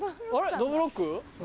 どぶろっく？